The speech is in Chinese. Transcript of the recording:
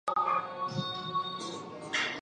己醛糖是分子中有醛基的己糖。